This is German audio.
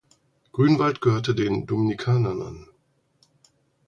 Grünwald gehörte den Dominikanern an.